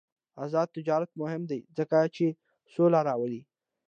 آزاد تجارت مهم دی ځکه چې سوله راولي.